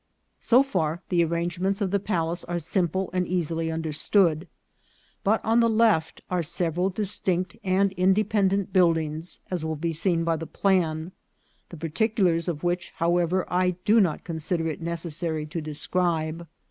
So far the arrangements of the palace are simple and easily understood ; but on the left are several distinct and independent buildings, as will be seen by the plan, the particulars of which, however, I do not consider it necessary to describe.